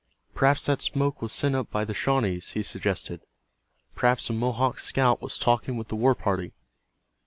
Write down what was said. "Perhaps that smoke was sent up by the Shawnees," he suggested. "Perhaps a Mohawk scout was talking with the war party."